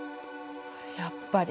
やっぱり。